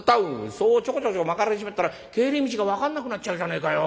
そうちょこちょこ曲がられちまったら帰り道が分かんなくなっちゃうじゃねえかよ。